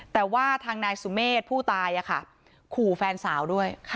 แต่ว่าทางนายสุเมฆผู้ตายขู่แฟนสาวด้วย